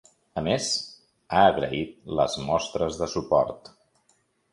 A més, ha agraït les mostres de suport.